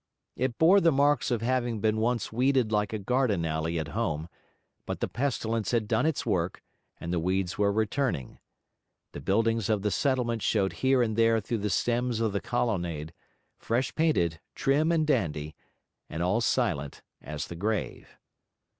It bore the marks of having been once weeded like a garden alley at home; but the pestilence had done its work, and the weeds were returning. The buildings of the settlement showed here and there through the stems of the colonnade, fresh painted, trim and dandy, and all silent as the grave.